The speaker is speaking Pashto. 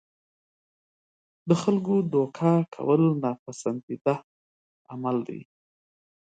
د خلکو دوکه کول ناپسندیده عمل دی.